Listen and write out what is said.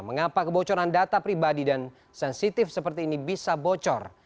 mengapa kebocoran data pribadi dan sensitif seperti ini bisa bocor